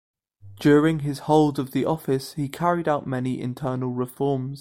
During his hold of the office, he carried out many internal reforms.